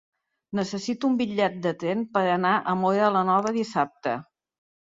Necessito un bitllet de tren per anar a Móra la Nova dissabte.